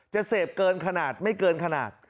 จะเสพเกินขนาดไม่เกินขนาด